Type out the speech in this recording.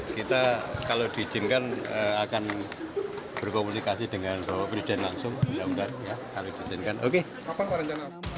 kita kalau diizinkan akan berkomunikasi dengan bapak presiden langsung